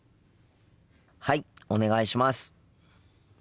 はいお願いします。